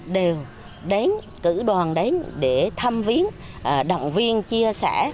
đều đánh cử đoàn đánh để thăm viên động viên chia sẻ